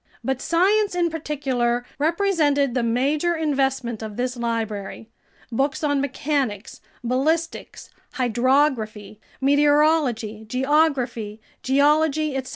But science, in particular, represented the major investment of this library: books on mechanics, ballistics, hydrography, meteorology, geography, geology, etc.